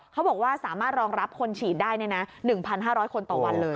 เขาบอกว่าสามารถรองรับคนฉีดได้๑๕๐๐คนต่อวันเลย